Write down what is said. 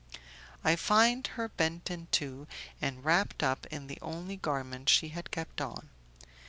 I find her bent in two, and wrapped up in the only garment she had kept on.